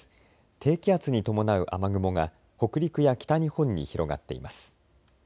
低気圧に伴う雨雲が北陸や北日本に広がっています。